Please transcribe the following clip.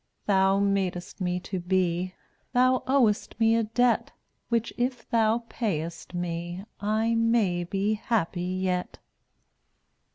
Thou madest me to be; Thou owest me a debt, Which if Thou pay est me I may be happy yet.